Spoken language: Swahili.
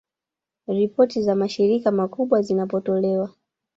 Ripoti za mashirika makubwa zinapotolewa